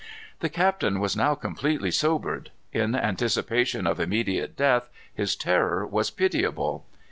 The captain was now completely sobered. In anticipation of immediate death his terror was pitiable.